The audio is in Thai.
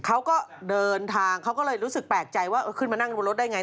เขาก็เดินทางเขาก็เลยรู้สึกแปลกใจว่าขึ้นมานั่งบนรถได้ไง